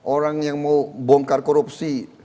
orang yang mau bongkar korupsi